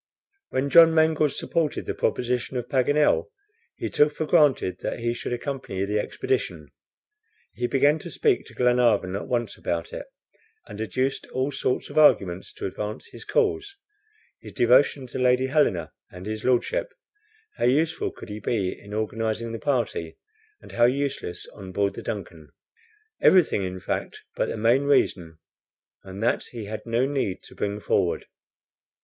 When John Mangles supported the proposition of Paganel, he took for granted that he should accompany the expedition. He began to speak to Glenarvan at once about it, and adduced all sorts of arguments to advance his cause his devotion to Lady Helena and his Lordship, how useful could he be in organizing the party, and how useless on board the DUNCAN; everything, in fact, but the main reason, and that he had no need to bring forward.